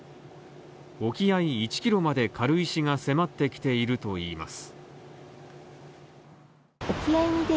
沖合１キロまで軽石が迫ってきているといいます。